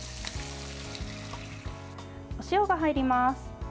お塩が入ります。